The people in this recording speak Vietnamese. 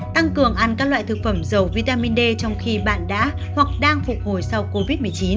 tăng cường ăn các loại thực phẩm dầu vitamin d trong khi bạn đã hoặc đang phục hồi sau covid một mươi chín